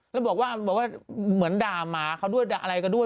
แล้วบอกว่าเหมือนด่าหมาเขาด้วยด่าอะไรก็ด้วย